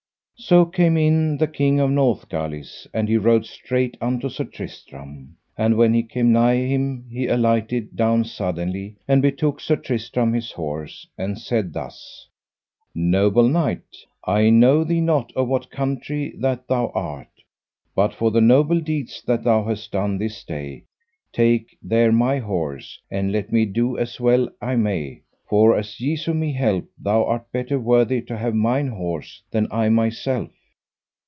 So came in the King of Northgalis, and he rode straight unto Sir Tristram; and when he came nigh him he alighted down suddenly and betook Sir Tristram his horse, and said thus: Noble knight, I know thee not of what country that thou art, but for the noble deeds that thou hast done this day take there my horse, and let me do as well I may; for, as Jesu me help, thou art better worthy to have mine horse than I myself.